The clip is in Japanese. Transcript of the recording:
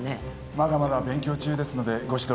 まだまだ勉強中ですのでご指導